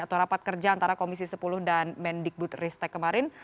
atau rapat kerja antara komisi sepuluh dan mendikbud ristek kemarin